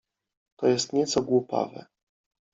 — To jest nieco głupawe.